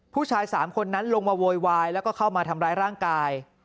ผู้ชาย๓คนนั้นลงมาโวยวายแล้วก็เข้ามาทำร้ายร่างกาย